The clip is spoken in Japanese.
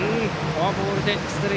フォアボールで出塁。